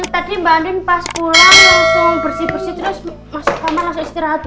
tadi mbak alim pas pulang langsung bersih bersih terus masuk kamar langsung istirahat